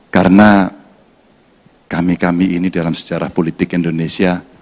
karena kami kami ini dalam sejarah politik indonesia